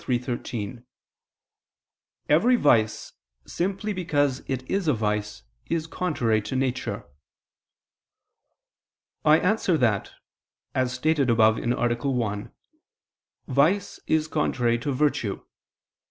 Arb. iii, 13): "Every vice, simply because it is a vice, is contrary to nature." I answer that, As stated above (A. 1), vice is contrary to virtue.